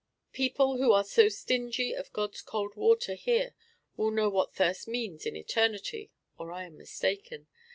People who are so stingy of God's cold water here will know what thirst means in eternity, or I am mistaken.